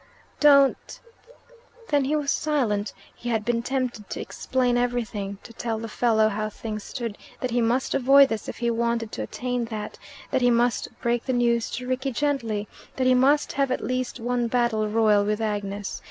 "Don't " Then he was silent. He had been tempted to explain everything, to tell the fellow how things stood, that he must avoid this if he wanted to attain that; that he must break the news to Rickie gently; that he must have at least one battle royal with Agnes.